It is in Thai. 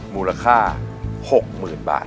มูลค่า๖๐๐๐บาท